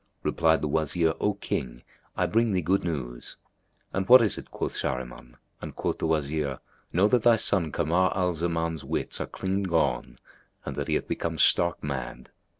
Replied the Wazir, "O King! I bring thee good news." "And what is it?" quoth Shahriman, and quoth the Wazir, "Know that thy son Kamar al Zaman's wits are clean gone and that he hath become stark mad."